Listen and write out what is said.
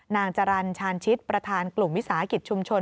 นางจรรย์ชาญชิดประธานกลุ่มวิสาหกิจชุมชน